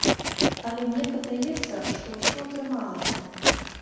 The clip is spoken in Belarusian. Але мне падаецца, што ўсё атрымалася.